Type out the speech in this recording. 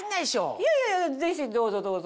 いやいやぜひどうぞどうぞ。